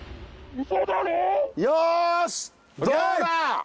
よしどうだ！